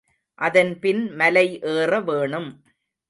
அதன் பின் மலை ஏற வேணும்.